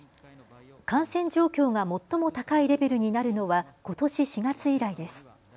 感染状況が最も高いレベルになるのはことし４月以来です。